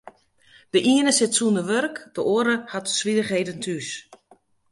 De iene sit sûnder wurk, de oare hat swierrichheden thús.